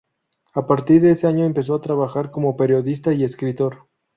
A partir de ese año empezó a trabajar como periodista y escritor.